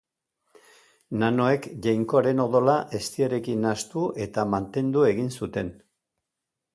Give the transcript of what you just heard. Nanoek, jainkoaren odola eztiarekin nahastu eta mantendu egin zuten.